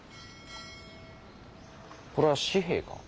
これは紙幣か？